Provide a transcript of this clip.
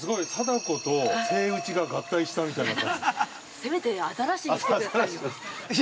せめてアザラシにしてくださいよ。